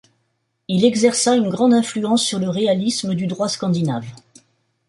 Il exerça une grande influence sur le réalisme du droit scandinave.